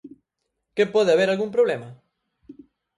Que pode haber algún problema?